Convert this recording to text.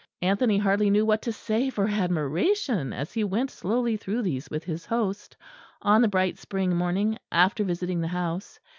Anthony hardly knew what to say for admiration as he went slowly through these with his host, on the bright spring morning, after visiting the house.